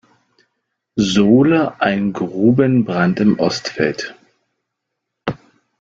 Sohle ein Grubenbrand im Ostfeld.